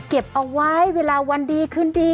เก็บเอาไว้เวลาวันดีคืนดี